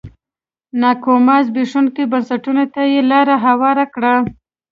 ناکامو زبېښونکو بنسټونو ته یې لار هواره کړه.